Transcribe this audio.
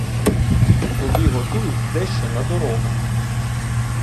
Тобі готують дещо на дорогу.